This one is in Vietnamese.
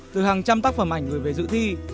từ hàng trăm tác phẩm ảnh gửi về dự thi